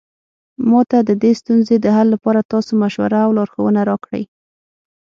ما ته د دې ستونزې د حل لپاره تاسو مشوره او لارښوونه راکړئ